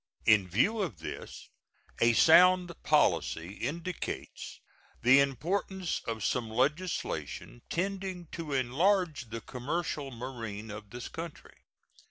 In view of this a sound policy indicates the importance of some legislation tending to enlarge the commercial marine of this country.